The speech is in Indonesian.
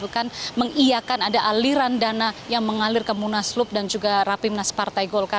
mengiakan ada aliran dana yang mengalir ke munaslup dan juga rapimnas partai golkar